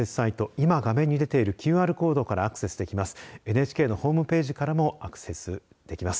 今、画面に出ているＱＲコードからアクセスできます。